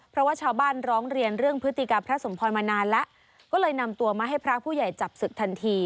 เพราะว่าชาวบ้านร้องเรียนเรื่องพฤติกรรมพระสมพรมานานแล้วก็เลยนำตัวมาให้พระผู้ใหญ่จับศึกทันที